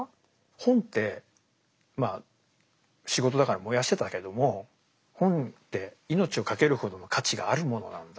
本ってまあ仕事だから燃やしてたけども本って命をかけるほどの価値があるものなんだ。